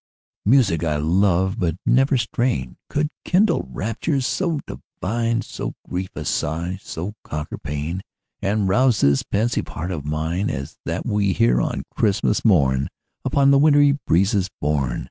Music I love but never strain Could kindle raptures so divine, So grief assuage, so conquer pain, And rouse this pensive heart of mine As that we hear on Christmas morn, Upon the wintry breezes borne.